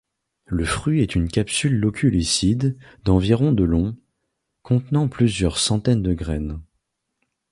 Le fruit est une capsule loculicide, d'environ de long, contenant plusieurs centaines de graines.